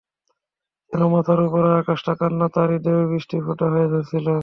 যেন মাথার ওপরের আকাশটার কান্না তাঁর হৃদয়েও বৃষ্টির ফোঁটা হয়ে ঝরছিল।